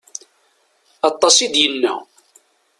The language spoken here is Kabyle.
Aṭas i d-yenna.